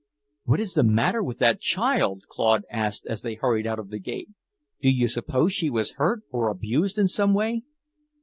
"What is the matter with that child?" Claude asked as they hurried out of the gate. "Do you suppose she was hurt, or abused in some way?"